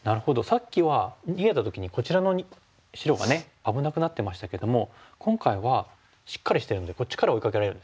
さっきは逃げた時にこちらの白がね危なくなってましたけども今回はしっかりしてるんでこっちから追いかけられるんですね。